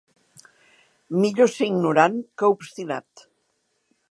Millor ser ignorant que obstinat